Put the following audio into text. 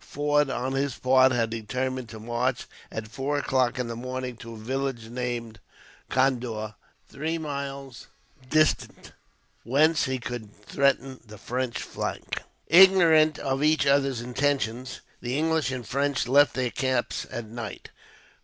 Forde, on his part, had determined to march at four o'clock in the morning to a village named Condore, three miles distant, whence he could threaten the French flank. Ignorant of each other's intentions, the English and French left their camps at night.